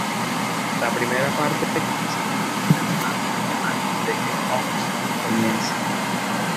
La primera parte comienza al inicio del álbum, antes de que "Once" comience.